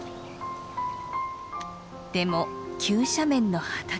でも急斜面の畑。